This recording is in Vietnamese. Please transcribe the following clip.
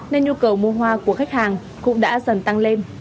nên nhu cầu mua hoa của khách hàng cũng đã dần tăng lên